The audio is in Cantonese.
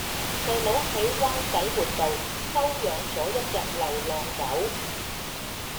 細佬喺灣仔活道收養左一隻流浪狗